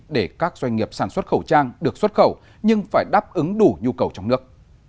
để các doanh nghiệp sản xuất khẩu trang được xuất khẩu nhưng phải đáp ứng đủ nhu cầu trong nước